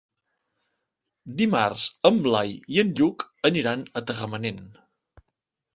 Dimarts en Blai i en Lluc aniran a Tagamanent.